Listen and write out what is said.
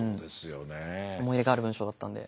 思い入れがある文章だったんで。